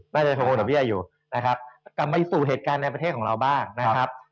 น่าจะโทรดอกเบี้ยอยู่นะครับกลับมาสู่เหตุการณ์ในประเทศของเราบ้างนะครับ